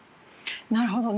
なるほどね。